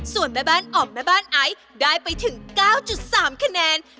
ส่วนแม่บ้านอ่อมแม่บ้านไอซ์ได้ไปถึง๙๓คะแนน